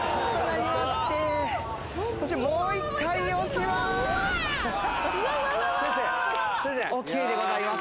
そしてもう一回落ちます。